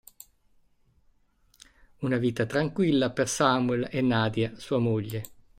Una vita tranquilla per Samuel e Nadia, sua moglie.